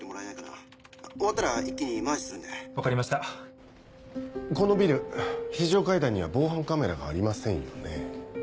分かりましたこのビル非常階段には防犯カメラがありませんよね？